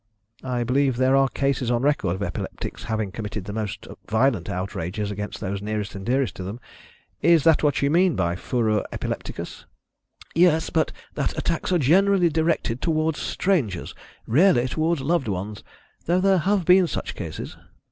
"I believe there are cases on record of epileptics having committed the most violent outrages against those nearest and dearest to them. Is that what you mean by furor epilepticus?" "Yes; but that attacks are generally directed towards strangers rarely towards loved ones, though there have been such cases."